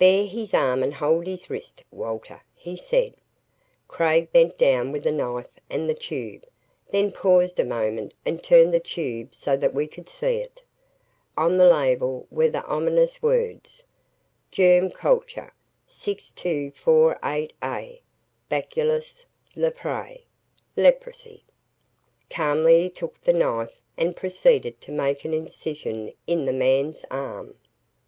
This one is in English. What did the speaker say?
"Bare his arm and hold his wrist, Walter," he said. Craig bent down with the knife and the tube, then paused a moment and turned the tube so that we could see it. On the label were the ominous words: Germ culture 6248A Bacillus Leprae (Leprosy) Calmly he took the knife and proceeded to make an incision in the man's arm.